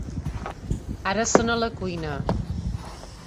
Ara són a la cuina.